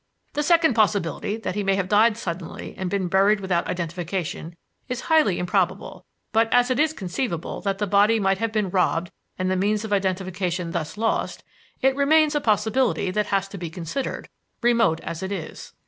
"The second possibility, that he may have died suddenly and been buried without identification, is highly improbable; but, as it is conceivable that the body might have been robbed and the means of identification thus lost, it remains as a possibility that has to be considered, remote as it is.